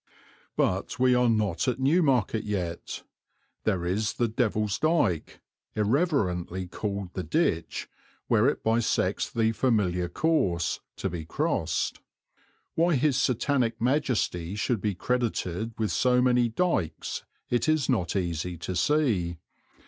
But we are not at Newmarket yet. There is the Devil's Dyke irreverently called the Ditch where it bisects the familiar course to be crossed. Why his Satanic Majesty should be credited with so many dykes it is not easy to see.